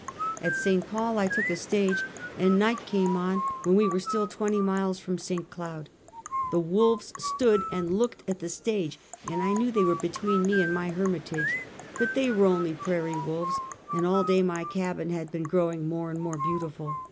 At St. Paul I took a stage, and night came on when we were still twenty miles from St. Cloud. Tiie wolves stood and looked at the stage, and I knew they were between me and my hermitage; but they were only prairie wolves, and all day my cabin had been grow ing more and more beautiful.